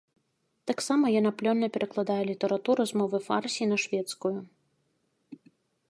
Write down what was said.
Таксама яна плённа перакладае літаратуру з мовы фарсі на шведскую.